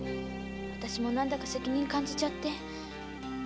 私も責任感じちゃって。